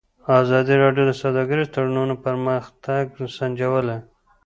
ازادي راډیو د سوداګریز تړونونه پرمختګ سنجولی.